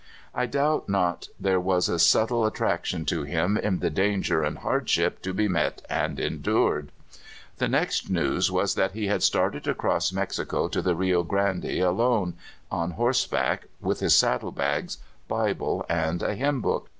I doubt not there was a subtle attraction to him in the dan ger and hardship to be met and endured. The next news was that he had started across Mexico to the Rio Grande alone, on horseback, with his saddlebags, Bible, and hymn book.